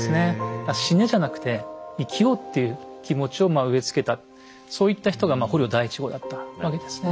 だから「死ね」じゃなくて「生きよう」っていう気持ちを植え付けたそういった人が捕虜第１号だったわけですね。